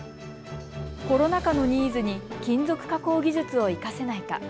コロナ禍のニーズに金属加工技術を生かせないか。